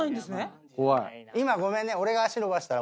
今ごめんね。